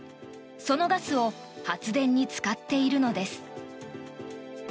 そのガスを発電に使っているのです。